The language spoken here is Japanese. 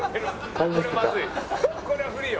これは不利よ。